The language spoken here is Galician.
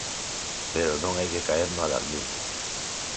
Pero non hai que caer no alarmismo.